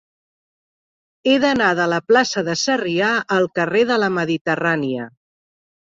He d'anar de la plaça de Sarrià al carrer de la Mediterrània.